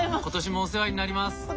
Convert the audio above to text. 今年もお世話になります。